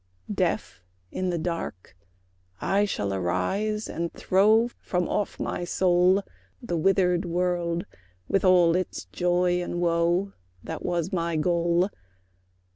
Deaf, in the dark, I shall arise and throw From off my soul, The withered world with all its joy and woe, That was my goal.